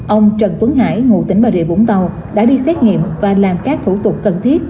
ông trần tuấn hải ngụ tỉnh bà rịa vũng tàu đã đi xét nghiệm và làm các thủ tục cần thiết